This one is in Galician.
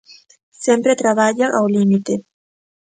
Sempre traballa ao límite.